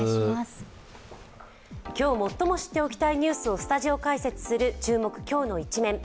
今日最も知っておきたいニュースをスタジオ解説する「今日のイチメン」